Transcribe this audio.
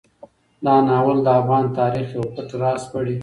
دا ناول د افغان تاریخ یو پټ راز سپړي.